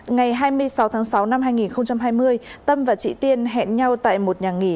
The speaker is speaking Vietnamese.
ngày hai mươi sáu tháng sáu năm hai nghìn hai mươi tâm và chị tiên hẹn nhau tại một nhà nghỉ